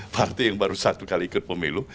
partai yang baru satu kali ikut pemilu